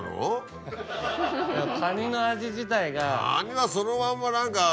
カニの味自体が。